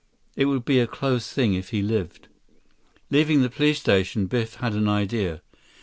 It would be a close thing if he lived. Leaving the police station, Biff had an idea.